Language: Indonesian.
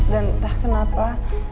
dan entah kenapa